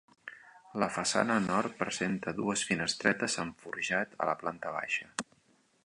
La façana Nord presenta dues finestretes amb forjat a la planta baixa.